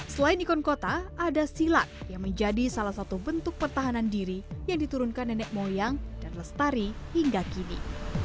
selain ikon kota ada silat yang menjadi salah satu bentuk pertahanan diri yang diturunkan nenek moyang dan lestari hingga kini